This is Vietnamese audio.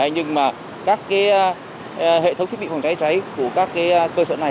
nhưng mà các hệ thống thiết bị phòng cháy cháy của các cơ sở này